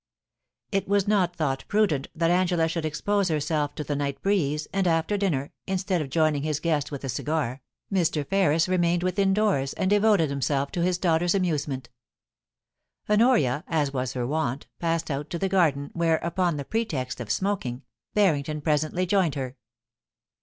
It was not thought prudent that Angela should expose herself to the night breeze, and, after dinner, instead of joining his guest with a cigar, Mr. Ferris remained within doors, and devoted himself to his daughter's amusement Honoria, as was her wont, passed out to the garden, where, upon the pretext of smoking, Barrington presently joined her.